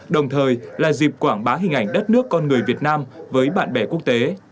đồng thời là dịp quảng bá hình ảnh đất nước con người việt nam với bạn bè quốc tế